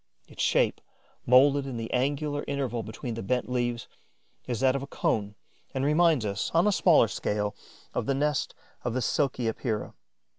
Its shape, moulded in the angular interval between the bent leaves, is that of a cone and reminds us, on a smaller scale, of the nest of the Silky Epeira.